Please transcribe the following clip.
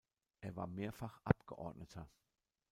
Er war mehrfach Abgeordneter.